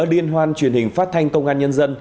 liên hoan truyền hình phát thanh công an nhân dân